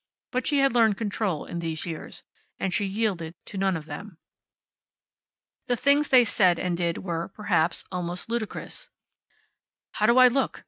But she had learned control in these years. And she yielded to none of them. The things they said and did were, perhaps, almost ludicrous. "How do I look?"